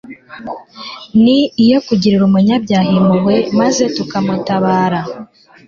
ni iyo kugirira umunyabyaha impuhwe maze tukamutabara.